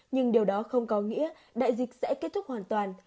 nhưng điều đó không có nghĩa đại dịch sẽ kết thúc hoàn toàn